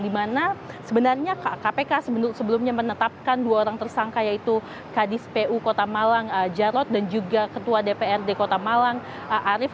di mana sebenarnya kpk sebelumnya menetapkan dua orang tersangka yaitu kadis pu kota malang jarod dan juga ketua dprd kota malang arief